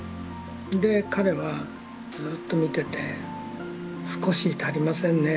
で彼はずっと見てて「すこし足りませんね